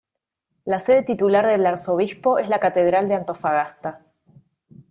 La sede titular del arzobispo es la catedral de Antofagasta.